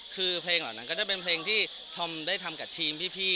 คือเพลงหนังก็ได้ทำกับชีมพี่